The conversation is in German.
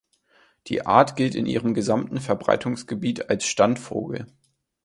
Die Art gilt in ihrem gesamten Verbreitungsgebiet als Standvogel.